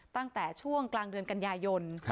ตั้งแต่ช่วงกลางเดือนกันยายน